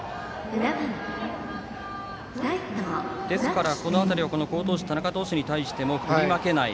ですから、この辺りは好投手、田中投手に対しても振り負けない。